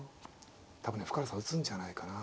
多分ね深浦さん打つんじゃないかな。